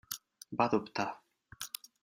Va dubtar.